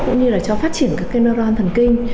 cũng như là cho phát triển các camera thần kinh